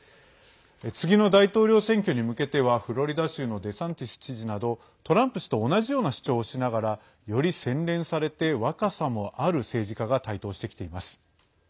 次の大統領選挙に向けてはフロリダ州のデサンティス知事などトランプ氏と同じような主張をしながらより洗練されて若さもある政治家が台頭してきています。